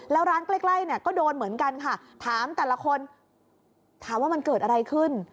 แล้วร้านใกล้เนี่ยก็โดนเหมือนกันค่ะถามแต่ละคนถามว่ามันเกิดอะไรขึ้น